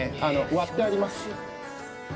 割ってあります